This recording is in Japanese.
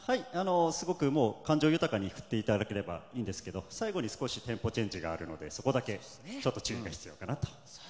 すごく感情豊かに振っていただければいいんですけど、最後に少しテンポチェンジがあるのでそこだけちょっと注意が必要かなと。